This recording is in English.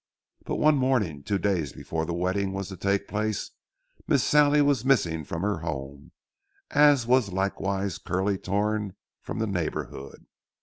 But one morning, two days before the wedding was to take place, Miss Sallie was missing from her home, as was likewise Curly Thorn from the neighborhood.